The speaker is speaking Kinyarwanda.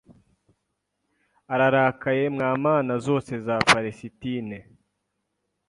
ararakaye mwa mana zose za Palesitine